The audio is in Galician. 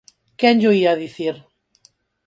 ¡Quen llo ía dicir!